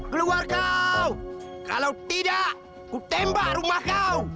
keluar kau kalau tidak kutembak rumah kau